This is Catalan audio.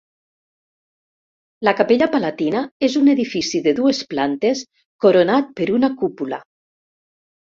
La capella palatina és un edifici de dues plantes coronat per una cúpula.